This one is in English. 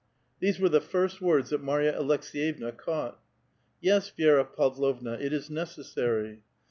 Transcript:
These were the first words that Marya Aleksi^yevna caught. "" Yes, Vi^ra Pavlovna, it is necessary."